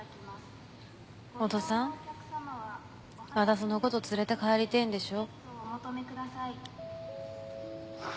お父さん私のこと連れて帰りてえんでしょ。